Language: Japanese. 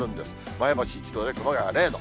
前橋１度で熊谷０度。